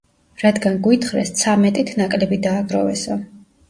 რადგან გვითხრეს ცამეტით ნაკლები დააგროვესო.